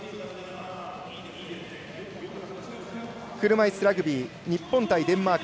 車いすラグビー日本対デンマーク